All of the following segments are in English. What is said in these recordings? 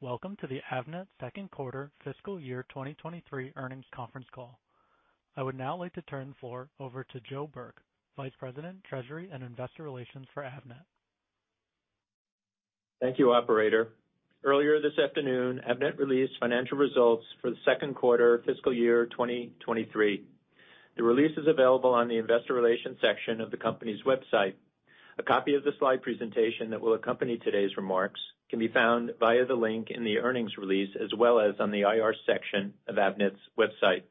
Welcome to the Avnet Second Quarter Fiscal Year 2023 Earnings Conference Call. I would now like to turn the floor over to Joe Burke, Vice President, Treasury and Investor Relations for Avnet. Thank you, operator. Earlier this afternoon, Avnet released financial results for the second quarter fiscal year 2023. The release is available on the investor relations section of the company's website. A copy of the slide presentation that will accompany today's remarks can be found via the link in the earnings release as well as on the IR section of Avnet's website.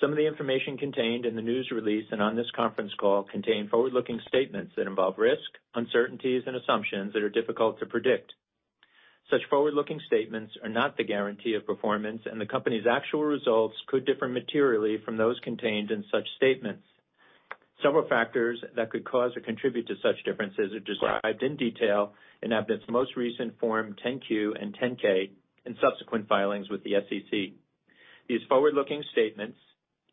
Some of the information contained in the news release and on this conference call contain forward-looking statements that involve risk, uncertainties, and assumptions that are difficult to predict. Such forward-looking statements are not the guarantee of performance, and the company's actual results could differ materially from those contained in such statements. Several factors that could cause or contribute to such differences are described in detail in Avnet's most recent Form 10-Q and 10-K and subsequent filings with the SEC. These forward-looking statements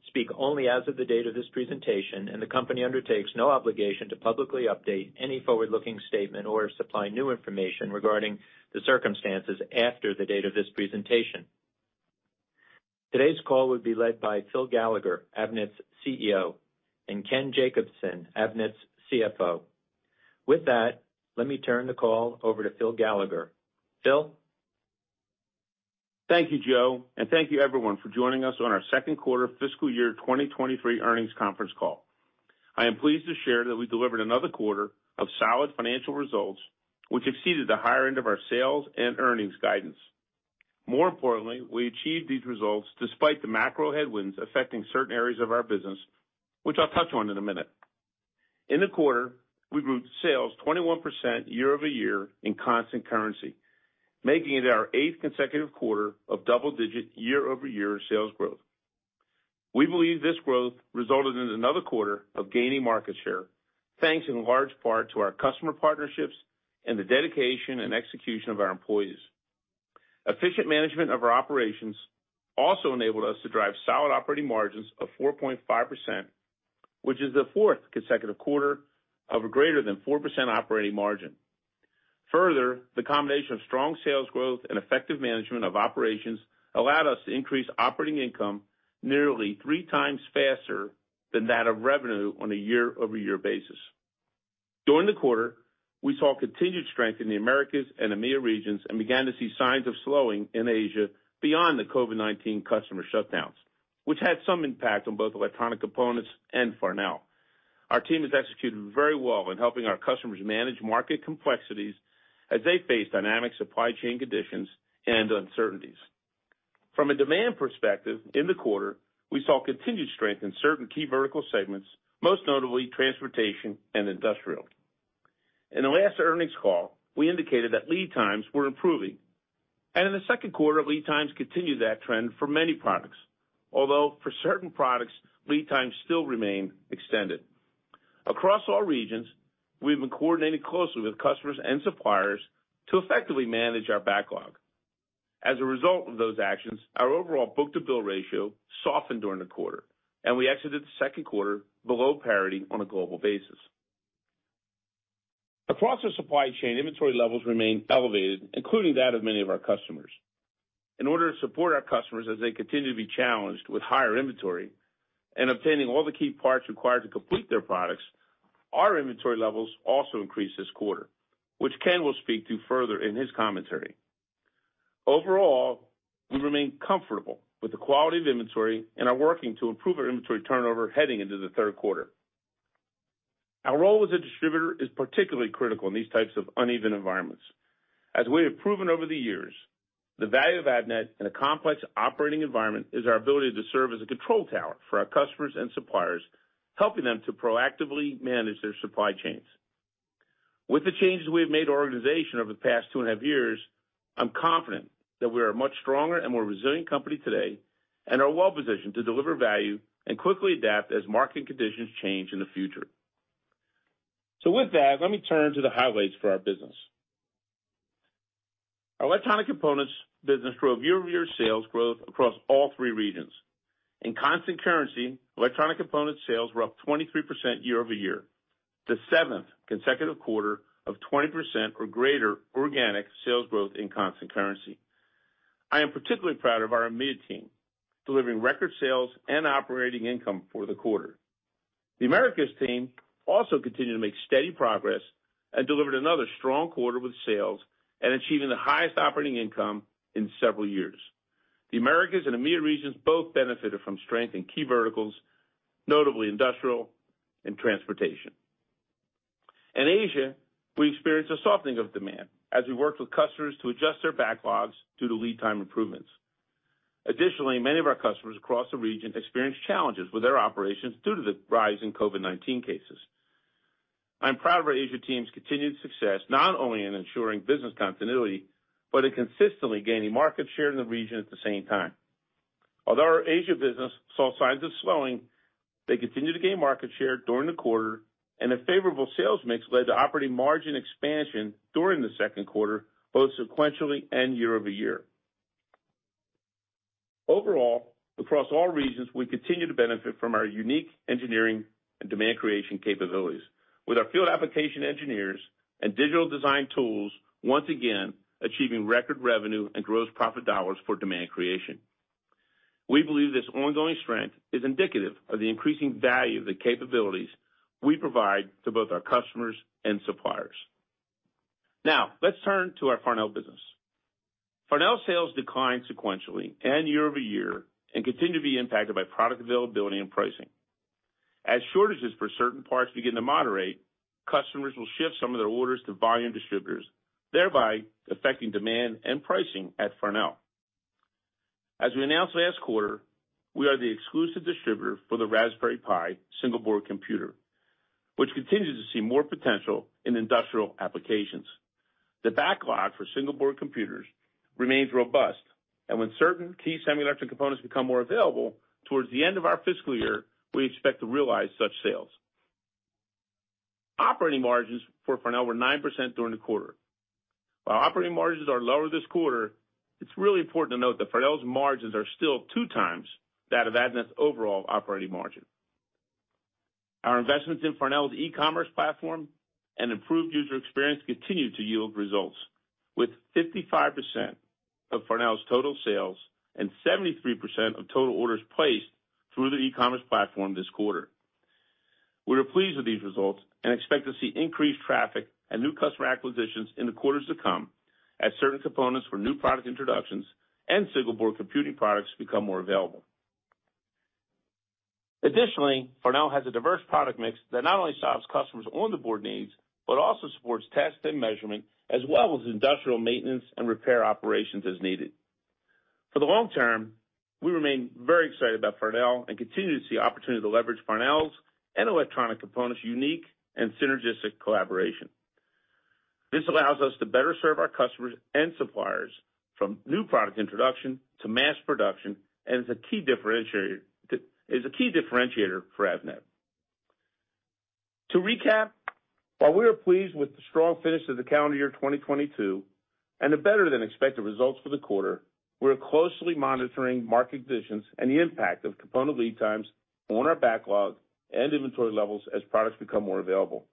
speak only as of the date of this presentation, and the company undertakes no obligation to publicly update any forward-looking statement or supply new information regarding the circumstances after the date of this presentation. Today's call will be led by Phil Gallagher, Avnet's CEO, and Ken Jacobson, Avnet's CFO. With that, let me turn the call over to Phil Gallagher. Phil? Thank you, Joe, and thank you everyone for joining us on our second quarter fiscal year 2023 earnings conference call. I am pleased to share that we delivered another quarter of solid financial results, which exceeded the higher end of our sales and earnings guidance. More importantly, we achieved these results despite the macro headwinds affecting certain areas of our business, which I'll touch on in a minute. In the quarter, we grew sales 21% year-over-year in constant currency, making it our eighth consecutive quarter of double-digit year-over-year sales growth. We believe this growth resulted in another quarter of gaining market share, thanks in large part to our customer partnerships and the dedication and execution of our employees. Efficient management of our operations also enabled us to drive solid operating margins of 4.5%, which is the fourth consecutive quarter of a greater than 4% operating margin. The combination of strong sales growth and effective management of operations allowed us to increase operating income nearly 3 times faster than that of revenue on a year-over-year basis. During the quarter, we saw continued strength in the Americas and EMEA regions and began to see signs of slowing in Asia beyond the COVID-19 customer shutdowns, which had some impact on both electronic components and Farnell. Our team has executed very well in helping our customers manage market complexities as they face dynamic supply chain conditions and uncertainties. From a demand perspective, in the quarter, we saw continued strength in certain key vertical segments, most notably transportation and industrial. In the last earnings call, we indicated that lead times were improving, and in the second quarter, lead times continued that trend for many products, although for certain products, lead times still remain extended. Across all regions, we've been coordinating closely with customers and suppliers to effectively manage our backlog. As a result of those actions, our overall book-to-bill ratio softened during the quarter, and we exited the second quarter below parity on a global basis. Across the supply chain, inventory levels remain elevated, including that of many of our customers. In order to support our customers as they continue to be challenged with higher inventory and obtaining all the key parts required to complete their products, our inventory levels also increased this quarter, which Ken will speak to further in his commentary. Overall, we remain comfortable with the quality of inventory and are working to improve our inventory turnover heading into the third quarter. Our role as a distributor is particularly critical in these types of uneven environments. As we have proven over the years, the value of Avnet in a complex operating environment is our ability to serve as a control tower for our customers and suppliers, helping them to proactively manage their supply chains. With the changes we have made to our organization over the past two and a half years, I'm confident that we are a much stronger and more resilient company today and are well positioned to deliver value and quickly adapt as market conditions change in the future. With that, let me turn to the highlights for our business. Our electronic components business grew year-over-year sales growth across all three regions. In constant currency, electronic components sales were up 23% year-over-year, the 7th consecutive quarter of 20% or greater organic sales growth in constant currency. I am particularly proud of our EMEA team, delivering record sales and operating income for the quarter. The Americas team also continued to make steady progress and delivered another strong quarter with sales and achieving the highest operating income in several years. The Americas and EMEA regions both benefited from strength in key verticals, notably industrial and transportation. In Asia, we experienced a softening of demand as we worked with customers to adjust their backlogs due to lead time improvements. Additionally, many of our customers across the region experienced challenges with their operations due to the rise in COVID-19 cases. I'm proud of our Asia team's continued success, not only in ensuring business continuity, but in consistently gaining market share in the region at the same time. Although our Asia business saw signs of slowing, they continued to gain market share during the quarter, and a favorable sales mix led to operating margin expansion during the second quarter, both sequentially and year-over-year. Overall, across all regions, we continue to benefit from our unique engineering and demand creation capabilities. With our field application engineers and digital design tools, once again achieving record revenue and gross profit dollars for demand creation. We believe this ongoing strength is indicative of the increasing value of the capabilities we provide to both our customers and suppliers. Now, let's turn to our Farnell business. Farnell sales declined sequentially and year-over-year, and continue to be impacted by product availability and pricing. As shortages for certain parts begin to moderate, customers will shift some of their orders to volume distributors, thereby affecting demand and pricing at Farnell. As we announced last quarter, we are the exclusive distributor for the Raspberry Pi single-board computer, which continues to see more potential in industrial applications. The backlog for single-board computers remains robust, and when certain key semi-electric components become more available towards the end of our fiscal year, we expect to realize such sales. Operating margins for Farnell were 9% during the quarter. While operating margins are lower this quarter, it's really important to note that Farnell's margins are still 2x that of Avnet's overall operating margin. Our investments in Farnell's e-commerce platform and improved user experience continue to yield results, with 55% of Farnell's total sales and 73% of total orders placed through the e-commerce platform this quarter. We are pleased with these results and expect to see increased traffic and new customer acquisitions in the quarters to come as certain components for new product introductions and single-board computing products become more available. Farnell has a diverse product mix that not only solves customers' on-the-board needs, but also supports test and measurement, as well as industrial maintenance and repair operations as needed. For the long term, we remain very excited about Farnell and continue to see opportunity to leverage Farnell's and electronic components' unique and synergistic collaboration. This allows us to better serve our customers and suppliers from new product introduction to mass production, and is a key differentiator for Avnet. To recap, while we are pleased with the strong finish of the calendar year 2022, and the better-than-expected results for the quarter, we are closely monitoring market conditions and the impact of component lead times on our backlog and inventory levels as products become more available.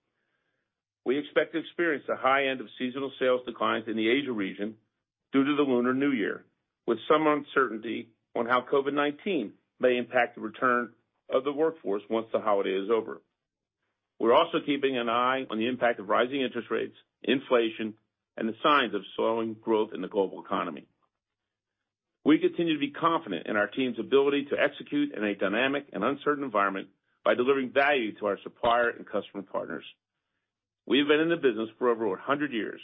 We expect to experience the high end of seasonal sales declines in the Asia region due to the Lunar New Year, with some uncertainty on how COVID-19 may impact the return of the workforce once the holiday is over. We're also keeping an eye on the impact of rising interest rates, inflation, and the signs of slowing growth in the global economy. We continue to be confident in our team's ability to execute in a dynamic and uncertain environment by delivering value to our supplier and customer partners. We have been in the business for over 100 years.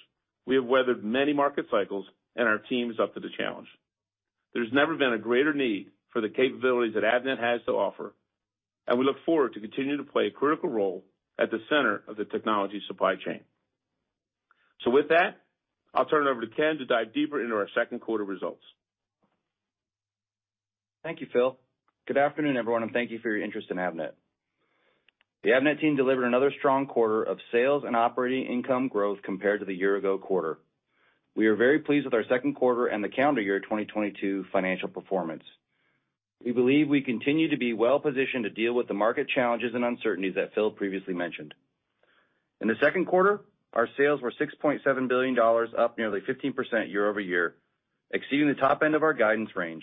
We have weathered many market cycles, and our team is up to the challenge. There's never been a greater need for the capabilities that Avnet has to offer, and we look forward to continuing to play a critical role at the center of the technology supply chain. With that, I'll turn it over to Ken to dive deeper into our second quarter results. Thank you, Phil. Good afternoon, everyone, and thank you for your interest in Avnet. The Avnet team delivered another strong quarter of sales and operating income growth compared to the year-ago quarter. We are very pleased with our second quarter and the calendar year 2022 financial performance. We believe we continue to be well-positioned to deal with the market challenges and uncertainties that Phil previously mentioned. In the second quarter, our sales were $6.7 billion, up nearly 15% year-over-year, exceeding the top end of our guidance range.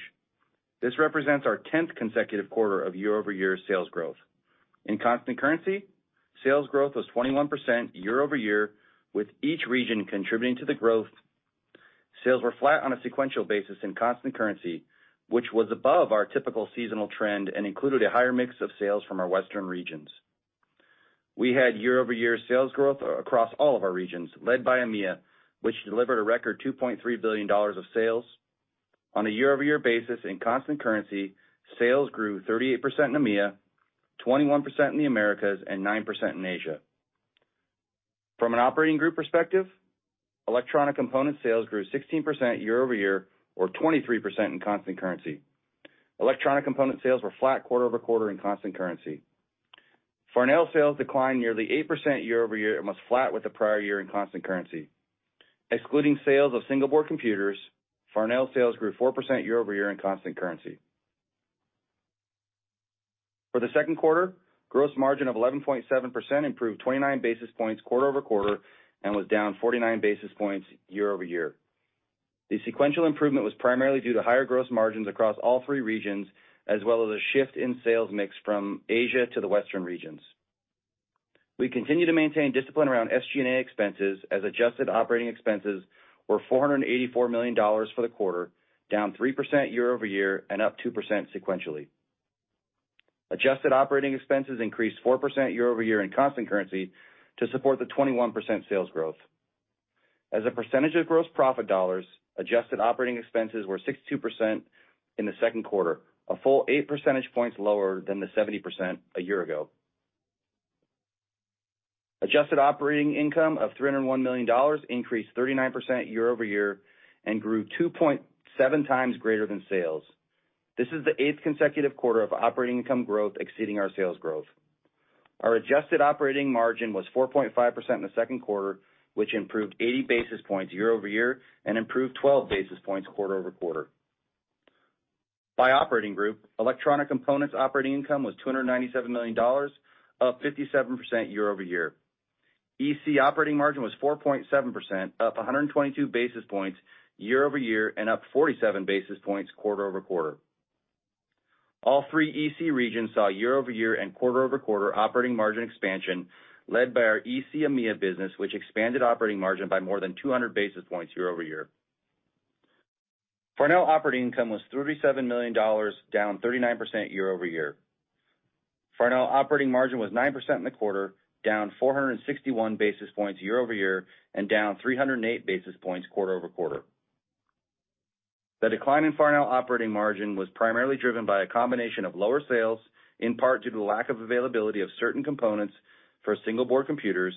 This represents our tenth consecutive quarter of year-over-year sales growth. In constant currency, sales growth was 21% year-over-year, with each region contributing to the growth. Sales were flat on a sequential basis in constant currency, which was above our typical seasonal trend and included a higher mix of sales from our Western regions. We had year-over-year sales growth across all of our regions, led by EMEA, which delivered a record $2.3 billion of sales. On a year-over-year basis in constant currency, sales grew 38% in EMEA, 21% in the Americas, and 9% in Asia. From an operating group perspective, electronic component sales grew 16% year-over-year, or 23% in constant currency. Electronic component sales were flat quarter-over-quarter in constant currency. Farnell sales declined nearly 8% year-over-year and was flat with the prior year in constant currency. Excluding sales of single-board computers, Farnell sales grew 4% year-over-year in constant currency. For the second quarter, gross margin of 11.7% improved 29 basis points quarter-over-quarter and was down 49 basis points year-over-year. The sequential improvement was primarily due to higher gross margins across all three regions, as well as a shift in sales mix from Asia to the Western regions. We continue to maintain discipline around SG&A expenses as adjusted operating expenses were $484 million for the quarter, down 3% year-over-year and up 2% sequentially. Adjusted operating expenses increased 4% year-over-year in constant currency to support the 21% sales growth. As a percentage of gross profit dollars, adjusted operating expenses were 62% in the second quarter, a full 8 percentage points lower than the 70% a year ago. Adjusted operating income of $301 million increased 39% year-over-year and grew 2.7x greater than sales. This is the eighth consecutive quarter of operating income growth exceeding our sales growth. Our adjusted operating margin was 4.5% in the second quarter, which improved 80 basis points year-over-year and improved 12 basis points quarter-over-quarter. By operating group, Electronic Components operating income was $297 million, up 57% year-over-year. EC operating margin was 4.7%, up 122 basis points year-over-year and up 47 basis points quarter-over-quarter. All three EC regions saw year-over-year and quarter-over-quarter operating margin expansion led by our EC EMEA business, which expanded operating margin by more than 200 basis points year-over-year. Farnell operating income was $37 million, down 39% year-over-year. Farnell operating margin was 9% in the quarter, down 461 basis points year-over-year and down 308 basis points quarter-over-quarter. The decline in Farnell operating margin was primarily driven by a combination of lower sales, in part due to the lack of availability of certain components for single-board computers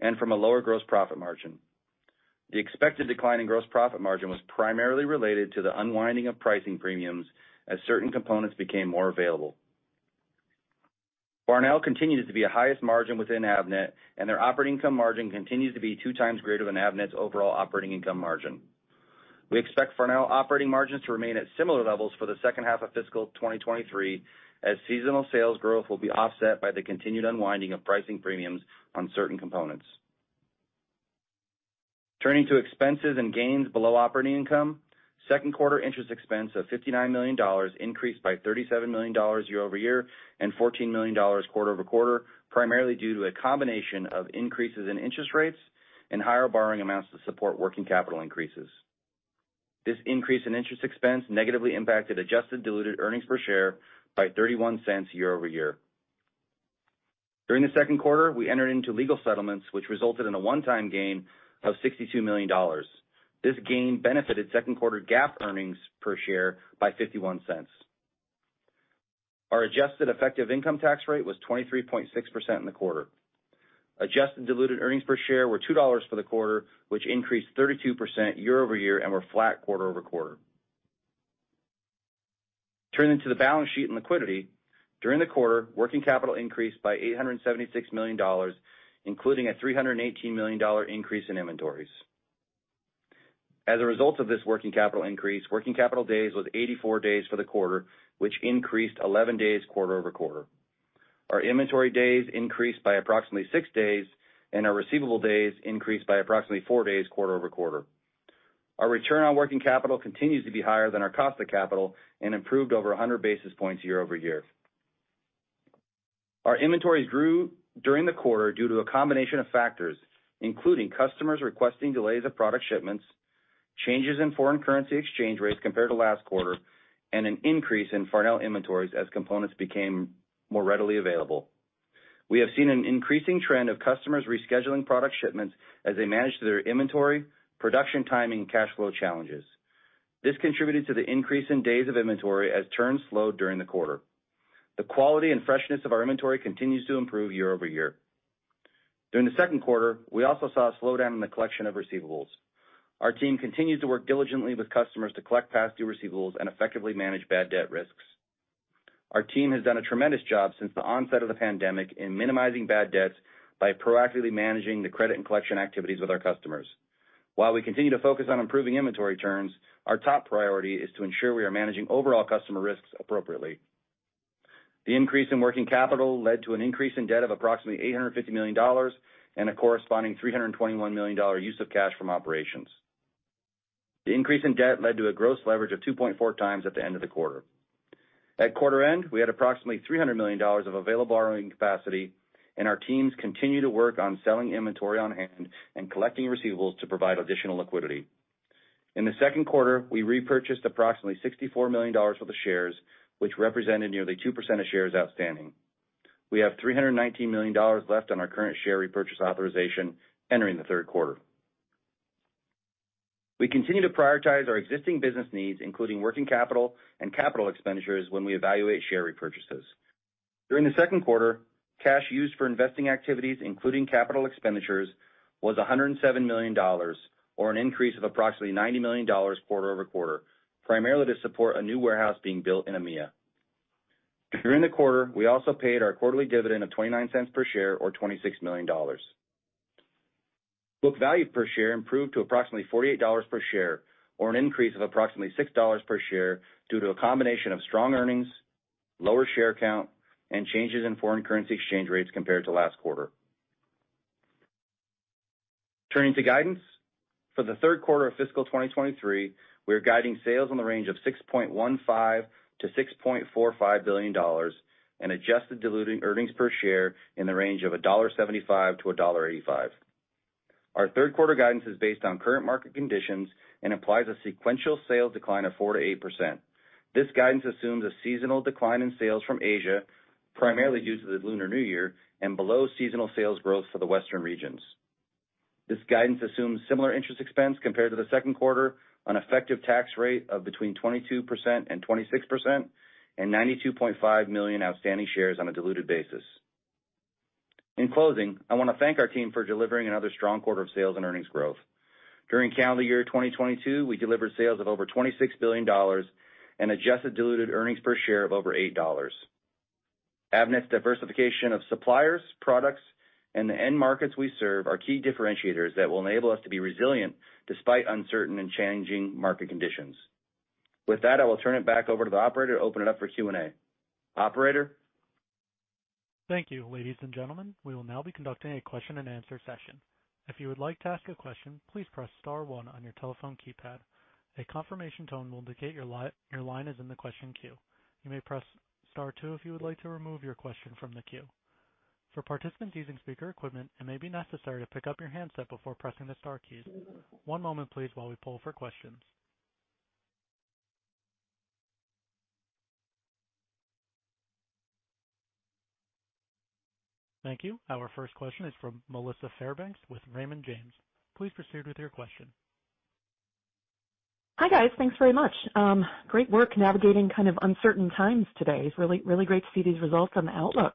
and from a lower gross profit margin. The expected decline in gross profit margin was primarily related to the unwinding of pricing premiums as certain components became more available. Farnell continues to be the highest margin within Avnet, and their operating income margin continues to be 2 times greater than Avnet's overall operating income margin. We expect Farnell operating margins to remain at similar levels for the second half of fiscal 2023, as seasonal sales growth will be offset by the continued unwinding of pricing premiums on certain components. Turning to expenses and gains below operating income. Second quarter interest expense of $59 million increased by $37 million year-over-year and $14 million quarter-over-quarter, primarily due to a combination of increases in interest rates and higher borrowing amounts to support working capital increases. This increase in interest expense negatively impacted adjusted diluted earnings per share by $0.31 year-over-year. During the second quarter, we entered into legal settlements which resulted in a one-time gain of $62 million. This gain benefited second quarter GAAP earnings per share by $0.51. Our adjusted effective income tax rate was 23.6% in the quarter. Adjusted diluted earnings per share were $2.00 for the quarter, which increased 32% year-over-year and were flat quarter-over-quarter. Turning to the balance sheet and liquidity. During the quarter, working capital increased by $876 million, including a $318 million increase in inventories. As a result of this working capital increase, working capital days was 84 days for the quarter, which increased 11 days quarter-over-quarter. Our inventory days increased by approximately six days, and our receivable days increased by approximately four days quarter-over-quarter. Our return on working capital continues to be higher than our cost of capital and improved over 100 basis points year-over-year. Our inventories grew during the quarter due to a combination of factors, including customers requesting delays of product shipments, changes in foreign currency exchange rates compared to last quarter, and an increase in Farnell inventories as components became more readily available. We have seen an increasing trend of customers rescheduling product shipments as they manage their inventory, production timing, and cash flow challenges. This contributed to the increase in days of inventory as turns slowed during the quarter. The quality and freshness of our inventory continues to improve year-over-year. During the second quarter, we also saw a slowdown in the collection of receivables. Our team continues to work diligently with customers to collect past due receivables and effectively manage bad debt risks. Our team has done a tremendous job since the onset of the pandemic in minimizing bad debts by proactively managing the credit and collection activities with our customers. While we continue to focus on improving inventory turns, our top priority is to ensure we are managing overall customer risks appropriately. The increase in working capital led to an increase in debt of approximately $850 million and a corresponding $321 million use of cash from operations. The increase in debt led to a gross leverage of 2.4x at the end of the quarter. At quarter end, we had approximately $300 million of available borrowing capacity, and our teams continue to work on selling inventory on hand and collecting receivables to provide additional liquidity. In the second quarter, we repurchased approximately $64 million worth of shares, which represented nearly 2% of shares outstanding. We have $319 million left on our current share repurchase authorization entering the third quarter. We continue to prioritize our existing business needs, including working capital and capital expenditures when we evaluate share repurchases. During the second quarter, cash used for investing activities, including capital expenditures, was $107 million or an increase of approximately $90 million quarter-over-quarter, primarily to support a new warehouse being built in EMEA. During the quarter, we also paid our quarterly dividend of $0.29 per share or $26 million. Book value per share improved to approximately $48 per share or an increase of approximately $6 per share due to a combination of strong earnings, lower share count, and changes in foreign currency exchange rates compared to last quarter. Turning to guidance. For the third quarter of fiscal 2023, we are guiding sales in the range of $6.15 billion-$6.45 billion and adjusted diluted earnings per share in the range of $1.75-$1.85. Our third quarter guidance is based on current market conditions and implies a sequential sales decline of 4%-8%. This guidance assumes a seasonal decline in sales from Asia, primarily due to the Lunar New Year and below seasonal sales growth for the Western regions. This guidance assumes similar interest expense compared to the second quarter on effective tax rate of between 22% and 26% and 92.5 million outstanding shares on a diluted basis. In closing, I want to thank our team for delivering another strong quarter of sales and earnings growth. During calendar year 2022, we delivered sales of over $26 billion and adjusted diluted earnings per share of over $8. Avnet's diversification of suppliers, products, and the end markets we serve are key differentiators that will enable us to be resilient despite uncertain and changing market conditions. With that, I will turn it back over to the operator to open it up for Q&A. Operator? Thank you. Ladies and gentlemen, we will now be conducting a question-and-answer session. If you would like to ask a question, please press star one on your telephone keypad. A confirmation tone will indicate your line is in the question queue. You may press star two if you would like to remove your question from the queue. For participants using speaker equipment, it may be necessary to pick up your handset before pressing the star keys. One moment please while we poll for questions. Thank you. Our first question is from Melissa Fairbanks with Raymond James. Please proceed with your question. Hi, guys. Thanks very much. Great work navigating kind of uncertain times today. It's really, really great to see these results and the outlook.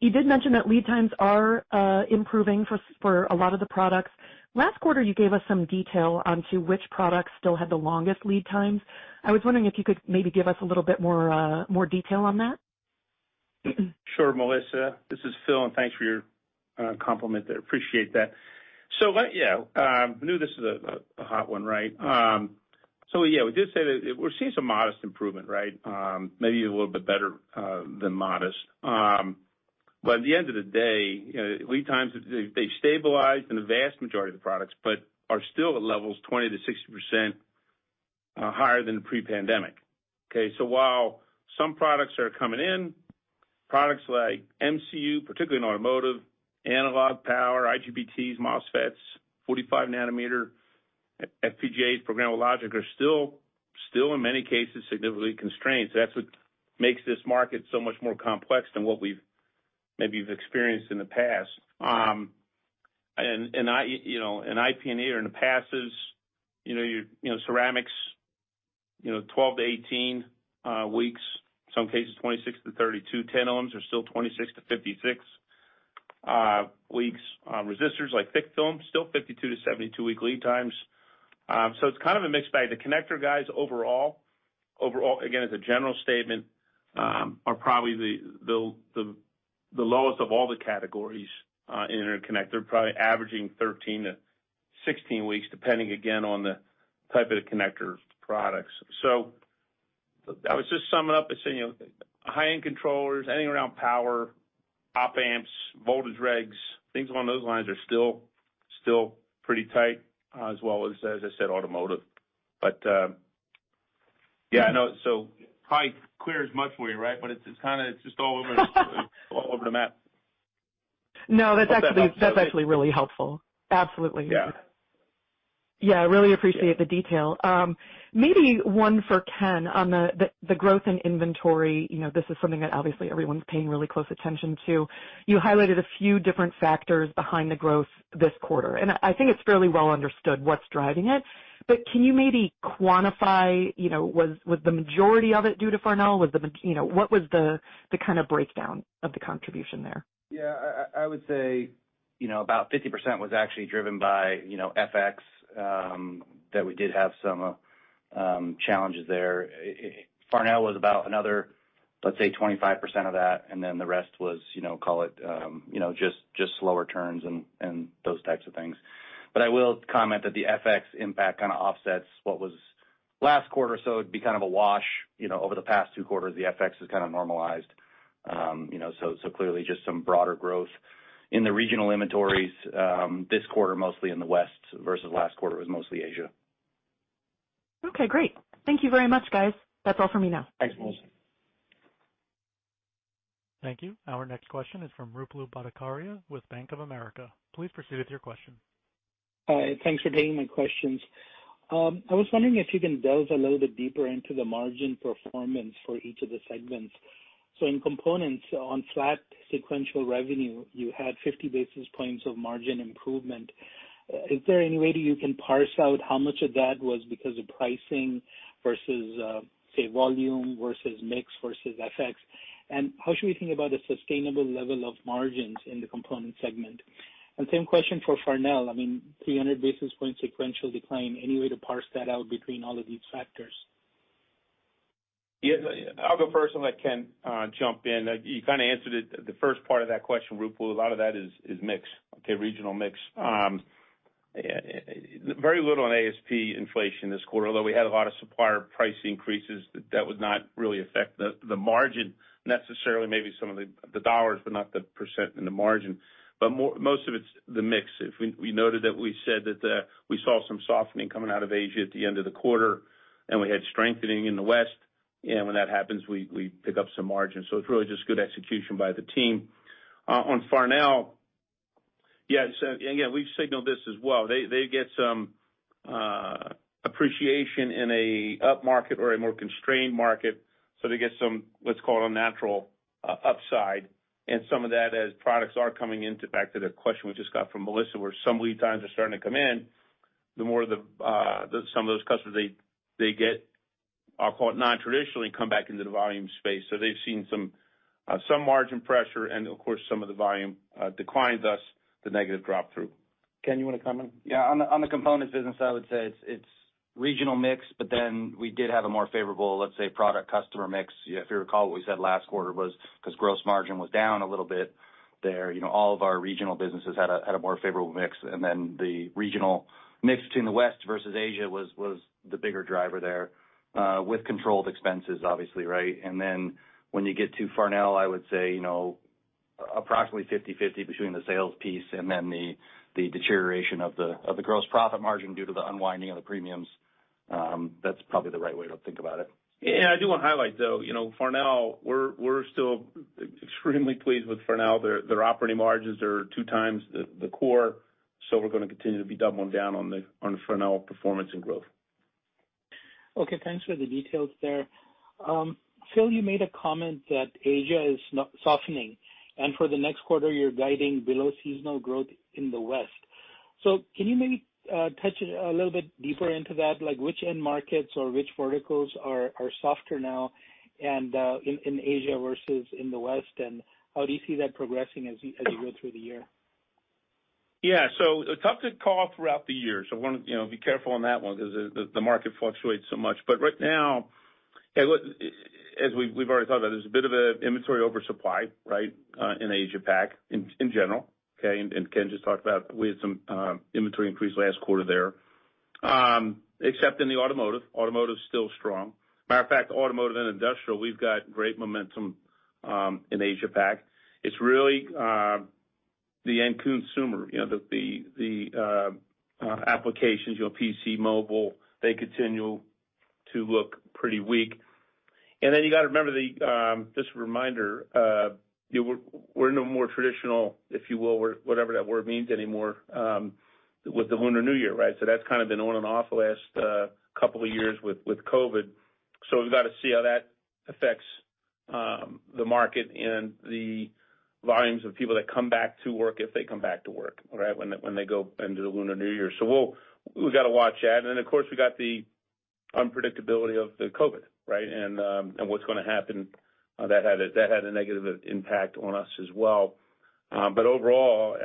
You did mention that lead times are improving for a lot of the products. Last quarter, you gave us some detail onto which products still had the longest lead times. I was wondering if you could maybe give us a little bit more detail on that. Sure, Melissa. This is Phil, and thanks for your compliment. I appreciate that. Yeah, I know this is a hot one, right? We did say that we're seeing some modest improvement, right? Maybe a little bit better than modest. But at the end of the day, you know, lead times, they've stabilized in the vast majority of the products, but are still at levels 20%-60% higher than pre-pandemic. While some products are coming in, products like MCU, particularly in automotive, analog power, IGBTs, MOSFETs, 45 nm FPGAs, programmable logic, are still in many cases, significantly constrained. That's what makes this market so much more complex than what we've maybe experienced in the past. I, you know, IP&E or in the past is, you know, your ceramics, 12-18 weeks, some cases 26-32. Tantalum are still 26-56 weeks. Resistors like thick film, still 52-72 week lead times. It's kind of a mixed bag. The connector guys overall, again, as a general statement, are probably the lowest of all the categories in interconnector, probably averaging 13-16 weeks, depending again on the type of connector products. I was just summing up by saying, you know, high-end controllers, anything around power, op amps, voltage regs, things along those lines are still pretty tight, as well as I said, automotive. Yeah, no. Probably clear as much for you, right? It's kinda, it's just all over the map. No, that's actually really helpful. Absolutely. Yeah. Yeah, I really appreciate the detail. Maybe one for Ken on the growth in inventory. You know, this is something that obviously everyone's paying really close attention to. You highlighted a few different factors behind the growth this quarter, and I think it's fairly well understood what's driving it. Can you maybe quantify, you know, was the majority of it due to Farnell? You know, what was the kind of breakdown of the contribution there? Yeah. I would say, you know, about 50% was actually driven by, you know, FX, that we did have some challenges there. Farnell was about another, let's say, 25% of that, and then the rest was, you know, call it, you know, just slower turns and those types of things. I will comment that the FX impact kinda offsets what was last quarter. It'd be kind of a wash. You know, over the past two quarters, the FX has kind of normalized. You know, so clearly just some broader growth. In the regional inventories, this quarter mostly in the West versus last quarter was mostly Asia. Okay, great. Thank you very much, guys. That's all for me now. Thanks, Melissa. Thank you. Our next question is from Ruplu Bhattacharya with Bank of America. Please proceed with your question. Hi. Thanks for taking my questions. I was wondering if you can delve a little bit deeper into the margin performance for each of the segments. In components on flat sequential revenue, you had 50 basis points of margin improvement. Is there any way that you can parse out how much of that was because of pricing versus, say, volume versus mix versus FX? How should we think about the sustainable level of margins in the component segment? Same question for Farnell. I mean, 300 basis points sequential decline, any way to parse that out between all of these factors? Yeah. I'll go first and let Ken jump in. You kinda answered it, the first part of that question, Ruplu. A lot of that is mix, okay? Regional mix. Very little on ASP inflation this quarter, although we had a lot of supplier price increases, that would not really affect the margin necessarily, maybe some of the dollars, but not the % in the margin. Most of it's the mix. We noted that we said that, we saw some softening coming out of Asia at the end of the quarter, and we had strengthening in the West. When that happens, we pick up some margin. It's really just good execution by the team. On Farnell, yeah, so again, we've signaled this as well. They get some appreciation in a upmarket or a more constrained market. They get some, what's called a natural upside. Some of that as products are coming into. Back to the question we just got from Melissa, where some lead times are starting to come in, the more the some of those customers, they get I'll call it nontraditionally come back into the volume space. They've seen some margin pressure and of course some of the volume decline, thus the negative drop-through. Ken, you wanna comment? Yeah. On the components business side, I would say it's regional mix, but then we did have a more favorable, let's say, product customer mix. If you recall, what we said last quarter was, 'cause gross margin was down a little bit there. You know, all of our regional businesses had a more favorable mix and then the regional mix between the West versus Asia was the bigger driver there, with controlled expenses obviously, right? When you get to Farnell, I would say, you know, approximately 50/50 between the sales piece and then the deterioration of the gross profit margin due to the unwinding of the premiums. That's probably the right way to think about it. Yeah. I do want to highlight though, you know, Farnell, we're still extremely pleased with Farnell. Their operating margins are two times the core, we're going to continue to be doubling down on the Farnell performance and growth. Okay, thanks for the details there. Phil, you made a comment that Asia is not softening, and for the next quarter you're guiding below seasonal growth in the West. Can you maybe touch a little bit deeper into that? Like which end markets or which verticals are softer now and in Asia versus in the West, and how do you see that progressing as you, as you go through the year? Tough to call throughout the year, so I wanna, you know, be careful on that one 'cause the market fluctuates so much. Right now, hey, look, as we've already talked about, there's a bit of a inventory oversupply, right? In Asia Pac in general, okay? Ken just talked about we had some inventory increase last quarter there. Except in the automotive. Automotive's still strong. Matter of fact, automotive and industrial, we've got great momentum in Asia Pac. It's really the end consumer, you know, the, the applications, your PC mobile, they continue to look pretty weak. Then you gotta remember the just a reminder, we're in a more traditional, if you will, where whatever that word means anymore, with the Lunar New Year, right? That's kind of been on and off the last couple of years with COVID. We've got to see how that affects the market and the volumes of people that come back to work, if they come back to work, all right, when they, when they go into the Lunar New Year. We've got to watch that. Then of course, we got the unpredictability of the COVID, right? What's gonna happen, that had a negative impact on us as well. But overall,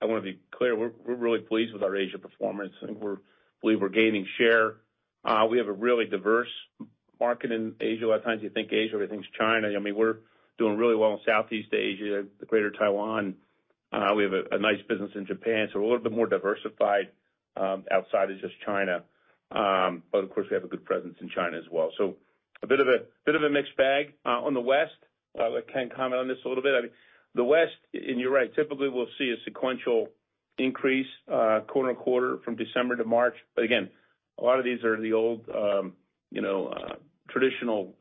I wanna be clear, we're really pleased with our Asia performance, and believe we're gaining share. We have a really diverse market in Asia. A lot of times you think Asia, everything's China. I mean, we're doing really well in Southeast Asia, the Greater Taiwan. We have a nice business in Japan, so we're a little bit more diversified outside of just China. Of course we have a good presence in China as well. A bit of a mixed bag on the West. Ken comment on this a little bit. I mean, the West, and you're right, typically we'll see a sequential increase quarter-on-quarter from December to March. Again, a lot of these are the old, you know, traditional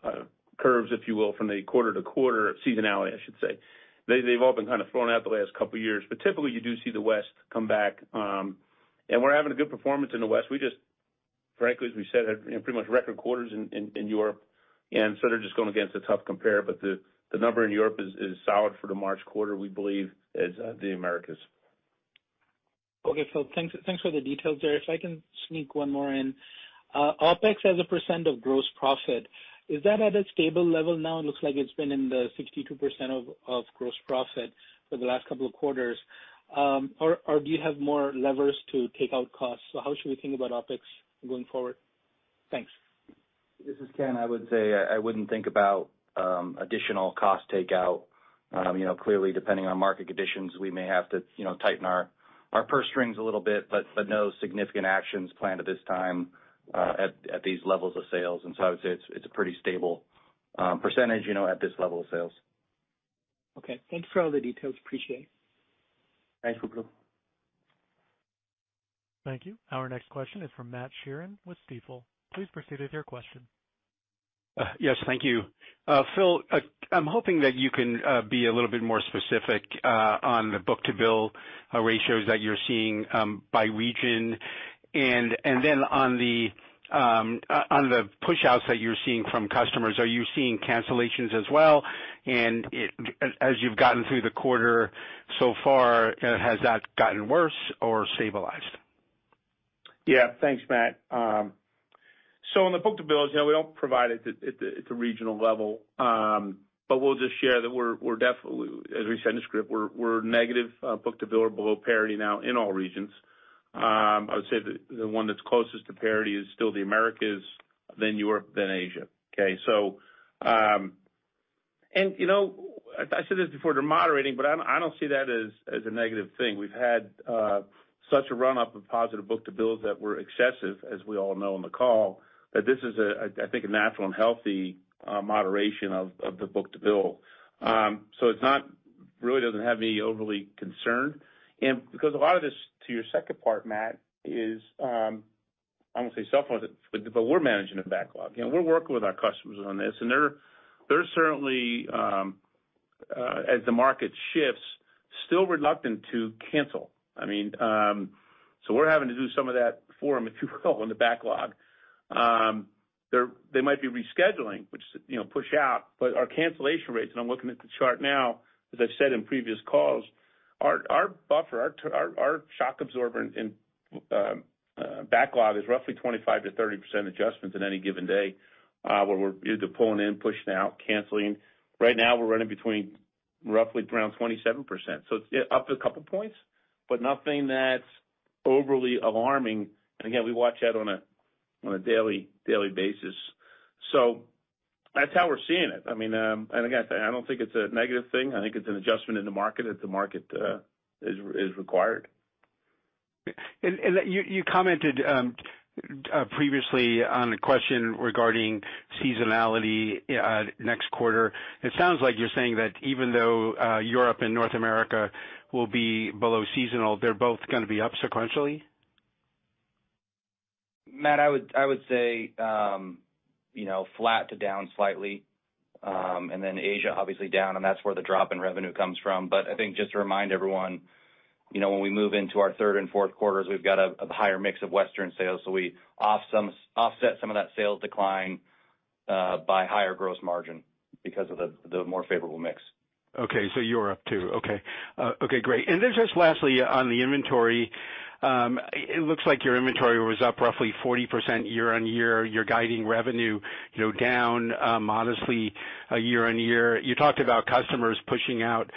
curves if you will, from the quarter-to-quarter seasonality, I should say. They've all been kind of thrown out the last couple of years. Typically you do see the West come back, and we're having a good performance in the West. We just, frankly, as we said, had pretty much record quarters in Europe. They're just going against a tough compare. The number in Europe is solid for the March quarter, we believe, as the Americas. Okay, Phil, thanks for the details there. If I can sneak one more in. OpEx as a % of gross profit, is that at a stable level now? It looks like it's been in the 62% of gross profit for the last couple of quarters. Or do you have more levers to take out costs? How should we think about OpEx going forward? Thanks. This is Ken. I would say I wouldn't think about additional cost takeout. You know, clearly depending on market conditions, we may have to, you know, tighten our purse strings a little bit, but no significant actions planned at this time, at these levels of sales. I would say it's a pretty stable percentage, you know, at this level of sales. Okay. Thanks for all the details. Appreciate it. Thanks, Ruplu. Thank you. Our next question is from Matthew Sheerin with Stifel. Please proceed with your question. Yes. Thank you. Phil, I'm hoping that you can be a little bit more specific on the book-to-bill ratios that you're seeing by region. Then on the push-outs that you're seeing from customers, are you seeing cancellations as well? As you've gotten through the quarter so far, has that gotten worse or stabilized? Yeah. Thanks, Matt. On the book-to-bills, you know, we don't provide it at the regional level. We'll just share that we're definitely, as we said in the script, we're negative book-to-bill or below parity now in all regions. I would say the one that's closest to parity is still the Americas, then Europe, then Asia. Okay? And you know, I said this before, they're moderating, but I don't see that as a negative thing. We've had such a run up of positive book-to-bill that were excessive, as we all know on the call, that this is, I think a natural and healthy moderation of the book-to-bill. It's not really doesn't have any overly concern. Because a lot of this, to your second part, Matt, is, I don't wanna say self-managed, but we're managing the backlog. You know, we're working with our customers on this, and they're certainly, as the market shifts, still reluctant to cancel. I mean, so we're having to do some of that for them, if you will, in the backlog. They might be rescheduling, which is, you know, push out, but our cancellation rates, and I'm looking at the chart now, as I've said in previous calls. Our buffer, our shock absorber and backlog is roughly 25%-30% adjustments in any given day, where we're either pulling in, pushing out, canceling. Right now we're running between roughly around 27%, so it's up a couple points, but nothing that's overly alarming. Again, we watch that on a daily basis. That's how we're seeing it. I mean, again, I don't think it's a negative thing. I think it's an adjustment in the market, that the market is required. You commented, previously on a question regarding seasonality, next quarter. It sounds like you're saying that even though Europe and North America will be below seasonal, they're both gonna be up sequentially. Matt, I would say, you know, flat to down slightly. Asia obviously down, that's where the drop in revenue comes from. I think just to remind everyone, you know, when we move into our third and fourth quarters, we've got a higher mix of Western sales, so we offset some of that sales decline by higher gross margin because of the more favorable mix. You're up too. Okay, great. Just lastly on the inventory, it looks like your inventory was up roughly 40% year-over-year. You're guiding revenue, you know, down modestly year-over-year. You talked about customers pushing out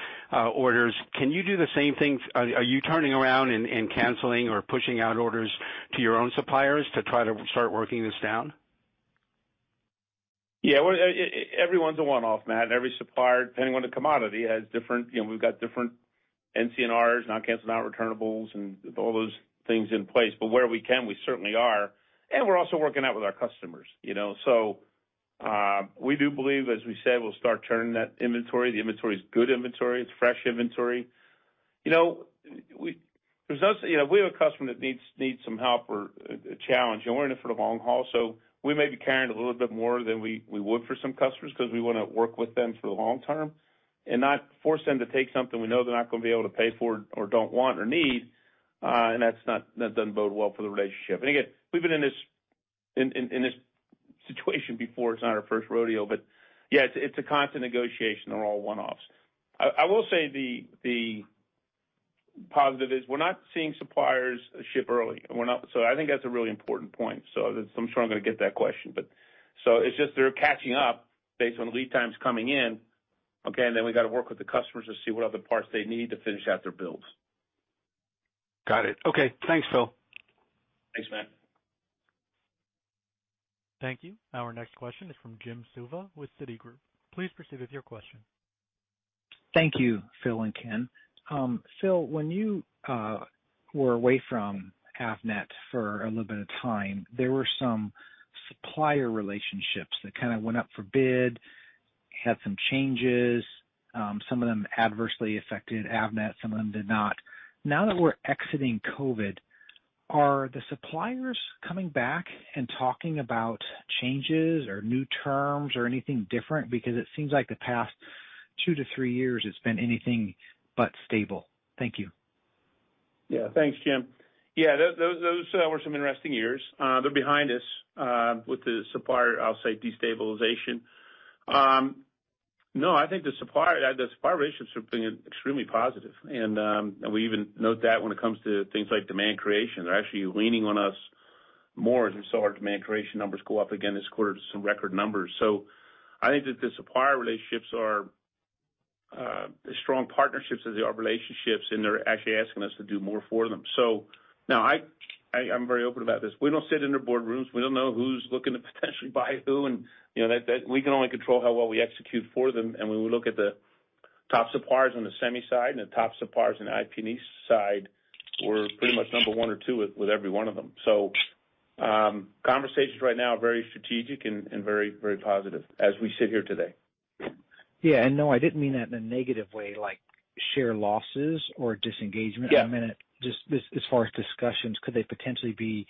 orders. Can you do the same thing? Are you turning around and canceling or pushing out orders to your own suppliers to try to start working this down? Yeah. Well, everyone's a one-off, Matt. Every supplier, depending on the commodity, has different, you know, we've got different NCNRs, non-cancel, non-returnables, and all those things in place. Where we can, we certainly are. We're also working out with our customers, you know? We do believe, as we said, we'll start turning that inventory. The inventory is good inventory. It's fresh inventory. You know, there's no, you know, we have a customer that needs some help or a challenge, and we're in it for the long haul, so we may be carrying a little bit more than we would for some customers 'cause we wanna work with them for the long term and not force them to take something we know they're not gonna be able to pay for or don't want or need. That doesn't bode well for the relationship. Again, we've been in this situation before. It's not our first rodeo. Yeah, it's a constant negotiation. They're all one-offs. I will say the positive is we're not seeing suppliers ship early. We're not. I think that's a really important point. I'm sure I'm gonna get that question. It's just they're catching up based on lead times coming in, okay? Then we gotta work with the customers to see what other parts they need to finish out their builds. Got it. Okay, thanks, Phil. Thanks, Matt. Thank you. Our next question is from Jim Suva with Citigroup. Please proceed with your question. Thank you, Phil and Ken. Phil, when you were away from Avnet for a little bit of time, there were some supplier relationships that kind of went up for bid, had some changes, some of them adversely affected Avnet, some of them did not. Now that we're exiting COVID, are the suppliers coming back and talking about changes or new terms or anything different? Because it seems like the past 2-3 years it's been anything but stable. Thank you. Yeah. Thanks, Jim. Yeah, those were some interesting years. They're behind us with the supplier, I'll say destabilization. No, I think the supplier relationships have been extremely positive. And we even note that when it comes to things like demand creation. They're actually leaning on us more as we saw our demand creation numbers go up again this quarter to some record numbers. I think that the supplier relationships are as strong partnerships as they are relationships, and they're actually asking us to do more for them. Now I am very open about this. We don't sit in their boardrooms. We don't know who's looking to potentially buy who and, you know, that we can only control how well we execute for them. When we look at the top suppliers on the semi side and the top suppliers on the IP and E side, we're pretty much number one or two with every one of them. Conversations right now are very strategic and very, very positive as we sit here today. Yeah. No, I didn't mean that in a negative way, like share losses or disengagement. Yeah. I meant it just as far as discussions, could they potentially be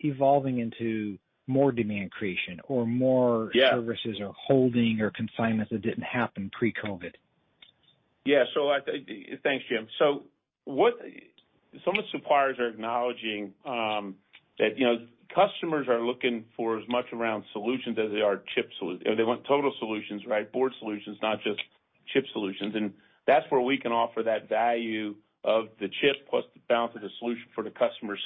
evolving into more demand creation or more-? Yeah. Services or holding or consignments that didn't happen pre-COVID? Thanks, Jim. What some of the suppliers are acknowledging, that, you know, customers are looking for as much around solutions as they are chip solutions. They want total solutions, right? Board solutions, not just chip solutions. That's where we can offer that value of the chip plus the balance of the solution for the customer.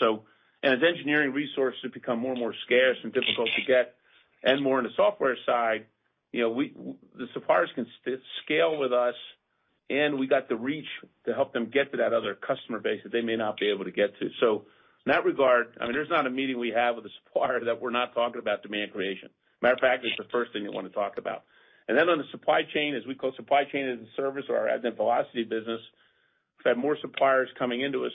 As engineering resources become more and more scarce and difficult to get and more on the software side, you know, the suppliers can scale with us, and we got the reach to help them get to that other customer base that they may not be able to get to. In that regard, I mean, there's not a meeting we have with a supplier that we're not talking about demand creation. Matter of fact, it's the first thing they wanna talk about. On the supply chain, as we call supply chain as a service or our Avnet Velocity business, we've had more suppliers coming into us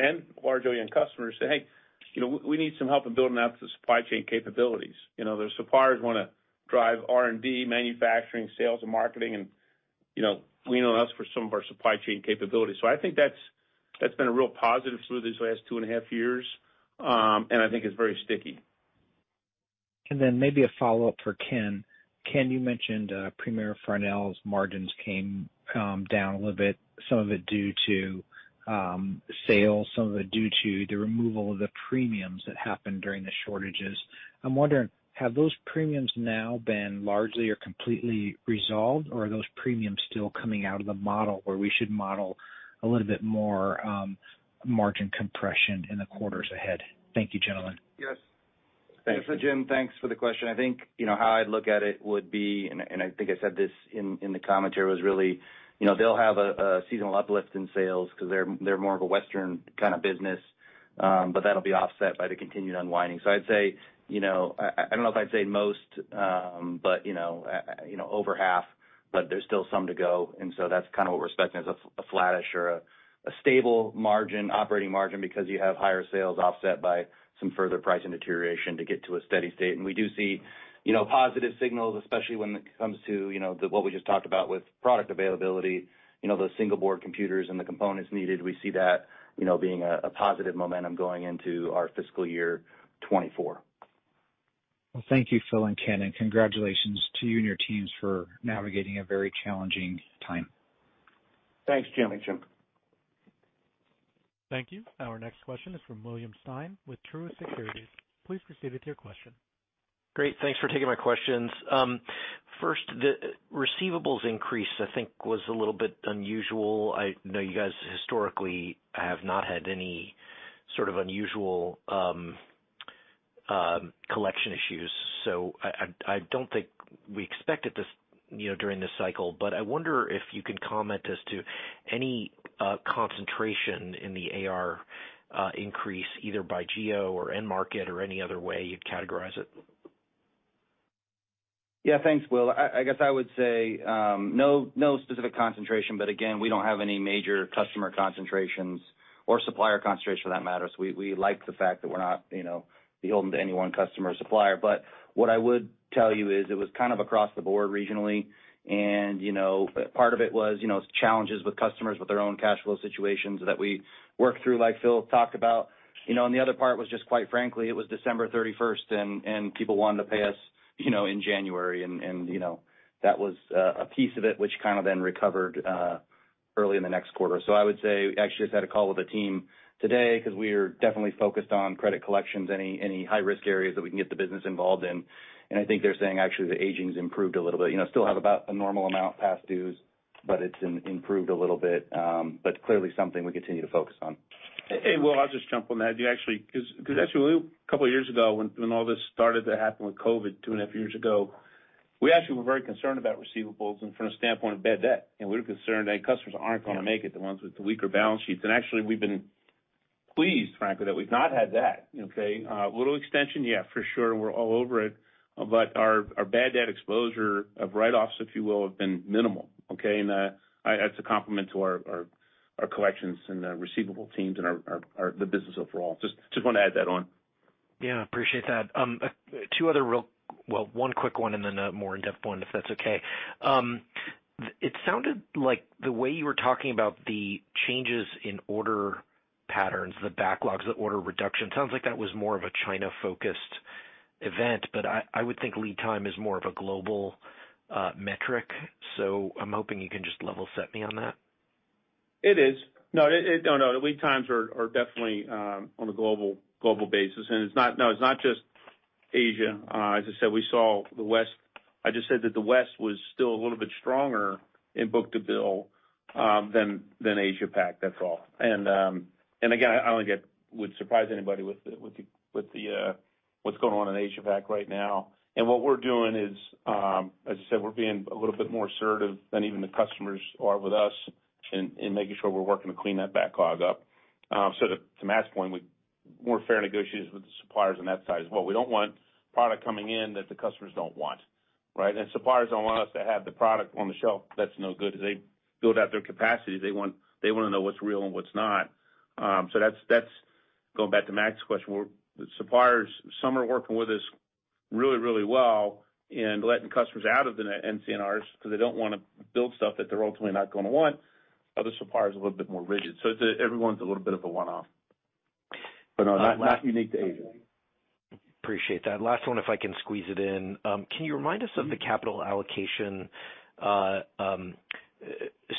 and large OEM customers say, "Hey, you know, we need some help in building out the supply chain capabilities." You know, their suppliers wanna drive R&D, manufacturing, sales, and marketing and, you know, lean on us for some of our supply chain capabilities. I think that's been a real positive through these last two and a half years, and I think it's very sticky. Maybe a follow-up for Ken. Ken, you mentioned Premier Farnell's margins came down a little bit, some of it due to sales, some of it due to the removal of the premiums that happened during the shortages. I'm wondering, have those premiums now been largely or completely resolved, or are those premiums still coming out of the model where we should model a little bit more margin compression in the quarters ahead? Thank you, gentlemen. Yes. Thanks. Jim, thanks for the question. I think, you know, how I'd look at it would be, and I think I said this in the commentary, was really, you know, they'll have a seasonal uplift in sales 'cause they're more of a Western kind of business. That'll be offset by the continued unwinding. I'd say, you know... I don't know if I'd say most, but, you know, over half, but there's still some to go. That's kind of what we're expecting is a flattish or a stable margin, operating margin because you have higher sales offset by some further pricing deterioration to get to a steady state. We do see, you know, positive signals, especially when it comes to, you know, what we just talked about with product availability, you know, those single-board computers and the components needed. We see that, you know, being a positive momentum going into our fiscal year 2024. Well, thank you, Phil and Ken, and congratulations to you and your teams for navigating a very challenging time. Thanks, Jim. Thanks, Jim. Thank you. Our next question is from William Stein with Truist Securities. Please proceed with your question. Great. Thanks for taking my questions. First, the receivables increase, I think, was a little bit unusual. I know you guys historically have not had any sort of unusual collection issues, so I don't think we expected this, you know, during this cycle. I wonder if you could comment as to any concentration in the AR increase, either by geo or end market or any other way you'd categorize it? Yeah. Thanks, Will. I guess I would say, no specific concentration, but again, we don't have any major customer concentrations or supplier concentrations for that matter. We like the fact that we're not, you know, beholden to any one customer or supplier. What I would tell you is it was kind of across the board regionally and, you know, part of it was, you know, challenges with customers with their own cash flow situations that we worked through, like Phil talked about. You know, the other part was just quite frankly, it was December 31st and people wanted to pay us, you know, in January and, you know, that was a piece of it which kind of then recovered early in the next quarter. I would say actually just had a call with the team today 'cause we are definitely focused on credit collections, any high-risk areas that we can get the business involved in. I think they're saying actually the aging's improved a little bit. You know, still have about a normal amount past dues, but it's improved a little bit. Clearly something we continue to focus on. Hey, Will, I'll just jump on that. Actually 2.5 years ago when all this started to happen with COVID, we actually were very concerned about receivables and from the standpoint of bad debt. We were concerned that customers aren't gonna make it, the ones with the weaker balance sheets. Actually we've been pleased, frankly, that we've not had that. Okay, a little extension, yeah, for sure, and we're all over it. Our bad debt exposure of write-offs, if you will, have been minimal, okay? I, it's a compliment to our collections and our receivable teams and our -- the business overall. Just wanna add that on. Yeah, appreciate that. Well, one quick one and then a more in-depth one if that's okay. It sounded like the way you were talking about the changes in order patterns, the backlogs, the order reduction, sounds like that was more of a China-focused event. I would think lead time is more of a global metric. I'm hoping you can just level set me on that. It is. No, the lead times are definitely on a global basis, it's not just Asia. As I said, we saw the West. I just said that the West was still a little bit stronger in book-to-bill than Asia Pac, that's all. Again, I don't think it would surprise anybody with the what's going on in Asia Pac right now. What we're doing is, as I said, we're being a little bit more assertive than even the customers are with us in making sure we're working to clean that backlog up. To Matt's point, more fair negotiations with the suppliers on that side as well. We don't want product coming in that the customers don't want, right? Suppliers don't want us to have the product on the shelf that's no good. They build out their capacity. They wanna know what's real and what's not. That's going back to Matt's question, where the suppliers, some are working with us really, really well in letting customers out of the NCNRs because they don't wanna build stuff that they're ultimately not gonna want. Other suppliers are a little bit more rigid. Everyone's a little bit of a one-off. No, not unique to Asia. Appreciate that. Last one if I can squeeze it in. Can you remind us of the capital allocation,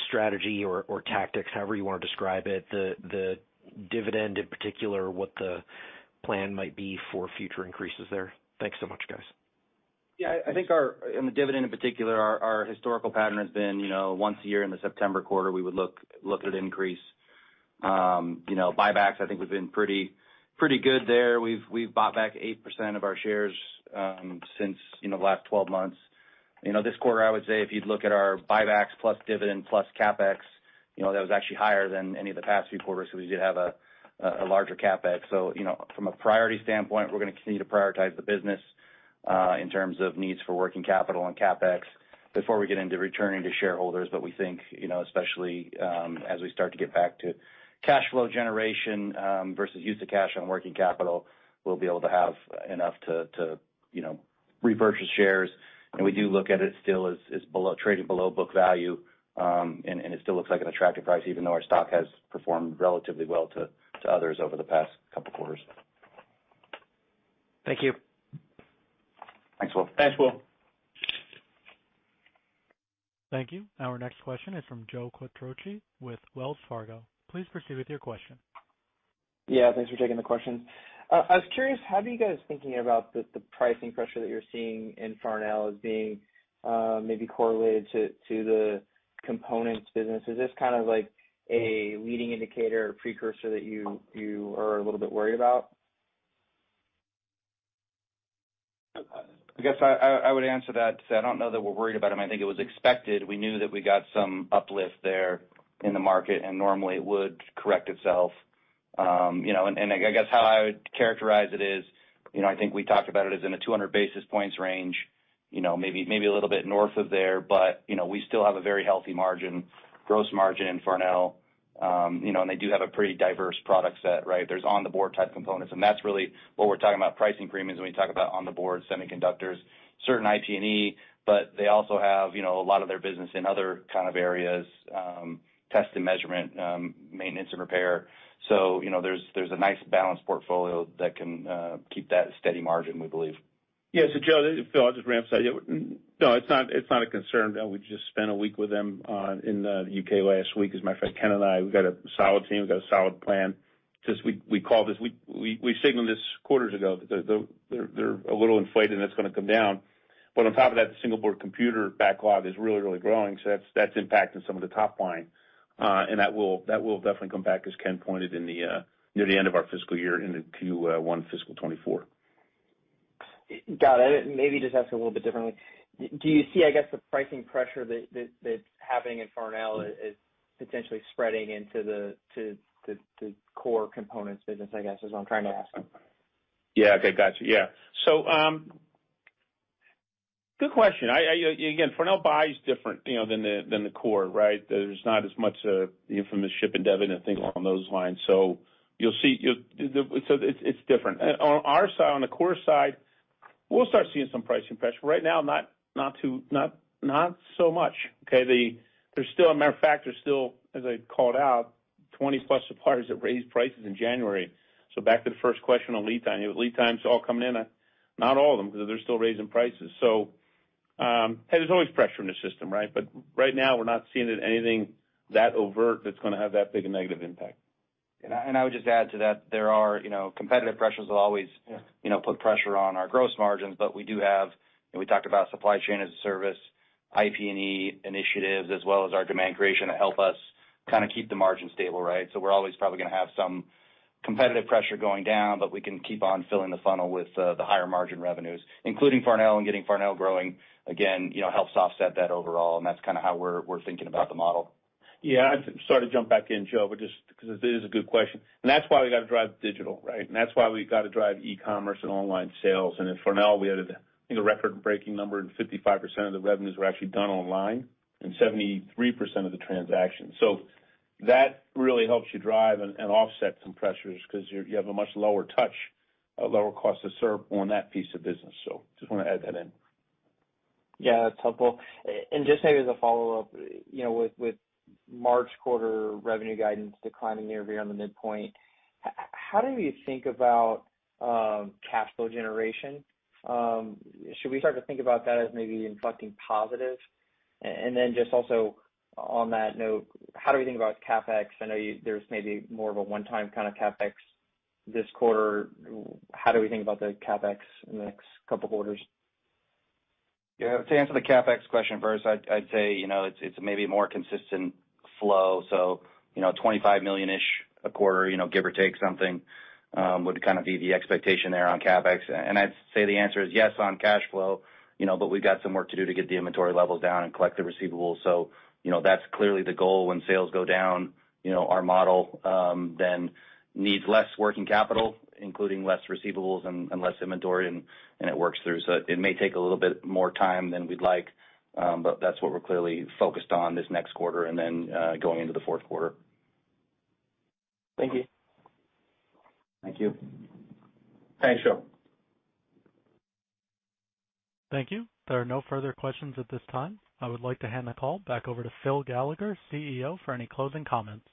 strategy or tactics, however you wanna describe it, the dividend in particular, what the plan might be for future increases there? Thanks so much, guys. I think on the dividend in particular, our historical pattern has been, you know, once a year in the September quarter, we would look at increase. You know, buybacks I think we've been pretty good there. We've bought back 8% of our shares, since, you know, the last 12 months. You know, this quarter I would say if you'd look at our buybacks plus dividend plus CapEx, you know, that was actually higher than any of the past few quarters because we did have a larger CapEx. From a priority standpoint, we're gonna continue to prioritize the business in terms of needs for working capital and CapEx before we get into returning to shareholders. We think, you know, especially, as we start to get back to cash flow generation, versus use of cash on working capital, we'll be able to have enough to, you know, repurchase shares. We do look at it still as trading below book value, and it still looks like an attractive price even though our stock has performed relatively well to others over the past couple quarters. Thank you. Thanks, Will. Thanks, Will. Thank you. Our next question is from Joseph Quatrochi with Wells Fargo. Please proceed with your question. Yeah, thanks for taking the questions. I was curious, how are you guys thinking about the pricing pressure that you're seeing in Farnell as being, maybe correlated to the components business? Is this kind of like a leading indicator or precursor that you are a little bit worried about? I guess I would answer that to say I don't know that we're worried about them. I think it was expected. We knew that we got some uplift there in the market. Normally it would correct itself. You know, I guess how I would characterize it is, you know, I think we talked about it as in a 200 basis points range, you know, maybe a little bit north of there. You know, we still have a very healthy margin, gross margin in Farnell. You know, and they do have a pretty diverse product set, right? There's on the board type components, and that's really what we're talking about pricing agreements when we talk about on the board semiconductors, certain IP&E. They also have, you know, a lot of their business in other kind of areas, test and measurement, maintenance and repair. You know, there's a nice balanced portfolio that can keep that steady margin, we believe. Joe, Phil, I'll just ramp it up. No, it's not a concern. We just spent a week with them in the U.K. last week, as my friend Ken and I, we've got a solid team. We've got a solid plan. Just we called this. We signaled this quarters ago. They're a little inflated, and it's gonna come down. On top of that, the single-board computer backlog is really, really growing, so that's impacting some of the top line. And that will definitely come back, as Ken pointed near the end of our fiscal year into Q1 fiscal 2024. Got it. Maybe just ask it a little bit differently. Do you see, I guess, the pricing pressure that's happening in Farnell is potentially spreading into the core components business, I guess, is what I'm trying to ask? Yeah. Okay. Got you. Yeah. Good question. Again, Farnell buy is different, you know, than the core, right? There's not as much, you know, from the ship and debit and things along those lines. It's different. On our side, on the core side, we'll start seeing some pricing pressure. Right now, not so much. Okay. There's still a matter of fact, there's still, as I called out, 20+ suppliers that raised prices in January. Back to the first question on lead time. Lead times all coming in. Not all of them, because they're still raising prices. There's always pressure in the system, right? Right now, we're not seeing anything that overt that's gonna have that big a negative impact. I would just add to that, there are, you know, competitive pressures will always- Yeah You know, put pressure on our gross margins. We do have, and we talked about supply chain as a service, IP&E initiatives, as well as our demand creation to help us kind of keep the margin stable, right? We're always probably going to have some competitive pressure going down, but we can keep on filling the funnel with the higher margin revenues, including Farnell and getting Farnell growing. You know, helps offset that overall, and that's kind of how we're thinking about the model. Yeah. Sorry to jump back in, Joe, but just 'cause it is a good question. That's why we gotta drive digital, right? That's why we gotta drive e-commerce and online sales. In Farnell, we had a, you know, record-breaking number, and 55% of the revenues were actually done online and 73% of the transactions. That really helps you drive and offset some pressures 'cause you have a much lower-touch, lower cost to serve on that piece of business. Just wanna add that in. Yeah, that's helpful. Just maybe as a follow-up, you know, with March quarter revenue guidance declining year-over-year on the midpoint, how do you think about cash flow generation? Should we start to think about that as maybe inflecting positive? Then just also on that note, how do we think about CapEx? I know there's maybe more of a one-time kind of CapEx this quarter. How do we think about the CapEx in the next couple quarters? Yeah. To answer the CapEx question first, I'd say, you know, it's maybe more consistent flow. You know, $25 million-ish a quarter, you know, give or take something, would kind of be the expectation there on CapEx. I'd say the answer is yes on cash flow, you know, we've got some work to do to get the inventory levels down and collect the receivables. You know, that's clearly the goal when sales go down. You know, our model then needs less working capital, including less receivables and less inventory, and it works through. It may take a little bit more time than we'd like, that's what we're clearly focused on this next quarter and then going into the fourth quarter. Thank you. Thank you. Thanks, Joe. Thank you. There are no further questions at this time. I would like to hand the call back over to Phil Gallagher, CEO, for any closing comments.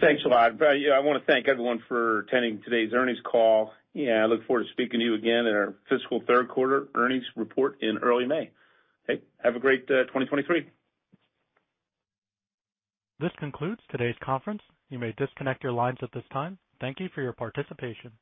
Thanks a lot. Yeah, I wanna thank everyone for attending today's earnings call, and I look forward to speaking to you again in our fiscal third quarter earnings report in early May. Okay, have a great 2023. This concludes today's conference. You may disconnect your lines at this time. Thank you for your participation.